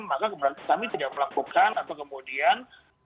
maka kami tidak melakukan atau kemudian